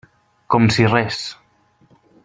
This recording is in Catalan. Com si res.